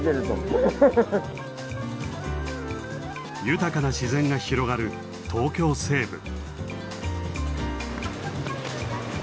豊かな自然が広がる東京西部。